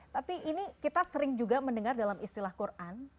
tapi ini kita sering juga mendengar dalam istilah quran